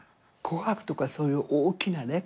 『紅白』とかそういう大きなね。